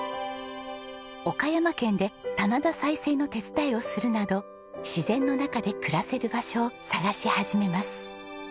岡山県で棚田再生の手伝いをするなど自然の中で暮らせる場所を探し始めます。